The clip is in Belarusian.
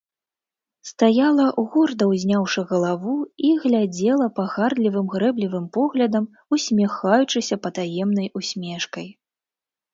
Стаяла, горда ўзняўшы галаву, і глядзела пагардлівым, грэблівым поглядам, усміхаючыся патаемнай усмешкай.